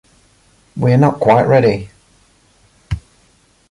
We are not quite ready!